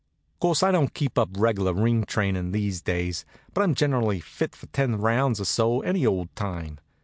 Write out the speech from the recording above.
Course, I don't keep up reg'lar ring trainin' these days; but I'm generally fit for ten rounds or so any old time.